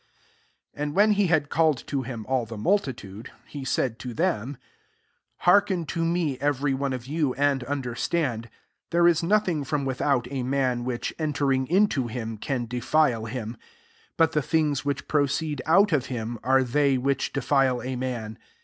'' 14 And when he had called to him all the multitude, he said to them, << Hearken to me, every one of you, and understand. 15 There is nothing from without a man which, entering into Un, can defile him : but the things which proceed out of him) are they which defile a man.